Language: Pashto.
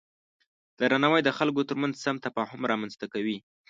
درناوی د خلکو ترمنځ سم تفاهم رامنځته کوي.